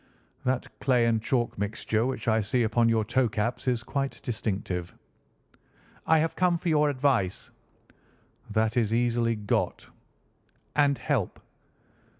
"That clay and chalk mixture which I see upon your toe caps is quite distinctive." "I have come for advice." "That is easily got." "And help."